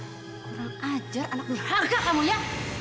kurang ajar anak berharga kamu ya